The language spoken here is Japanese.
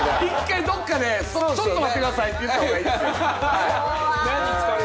１回どっかでちょっと待ってくださいって言ったほうがいいですよ